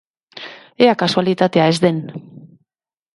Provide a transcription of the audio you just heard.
Ea kasualitatea ez den!